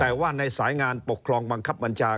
แต่ว่าในสายงานปกครองบังคับบัญชา